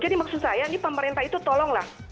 jadi maksud saya ini pemerintah itu tolonglah